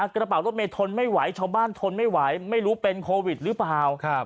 กระเป๋ารถเมย์ทนไม่ไหวชาวบ้านทนไม่ไหวไม่รู้เป็นโควิดหรือเปล่า